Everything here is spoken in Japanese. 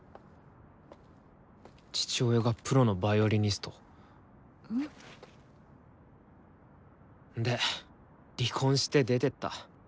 父親がプロのヴァイオリニスト。で離婚して出てった。